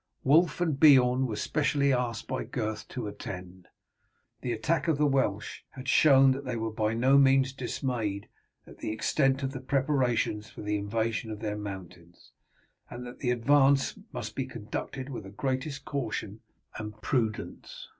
Wulf and Beorn were specially asked by Gurth to attend. The attack of the Welsh had shown that they were by no means dismayed at the extent of the preparations for the invasion of their mountains, and that the advance must be conducted with the greatest caution and prudence.